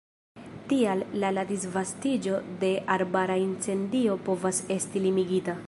Tial la la disvastiĝo de arbara incendio povas esti limigita.